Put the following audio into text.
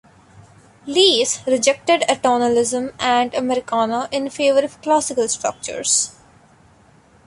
Lees rejected atonalism and Americana in favor of classical structures.